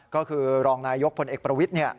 ก็คือรองนายยกพลเอกประวิทย์